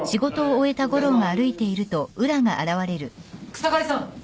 ・草刈さん。